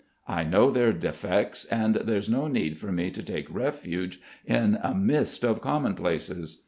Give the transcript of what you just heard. I know their defects and there's no need for me to take refuge in a mist of commonplaces.